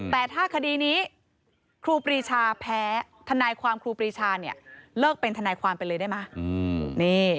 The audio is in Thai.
แต่ถ้าคดีนี้ครูปรีชาแพ้ทนายความครูปรีชาเนี่ยเลิกเป็นทนายความไปเลยได้ไหม